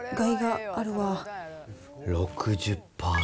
６０％。